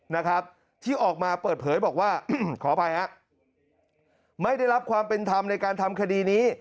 นะครับที่ออกมาเปิดเผยบอกว่าอืมขออภัยฮะไม่ได้รับความเป็นธรรมในการทำคดีนี้